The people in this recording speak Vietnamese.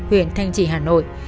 huyện thanh trì hà nội